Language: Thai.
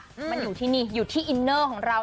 มันอยู่ที่นี่อยู่ที่อินเนอร์ของเรา